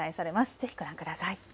ぜひご覧ください。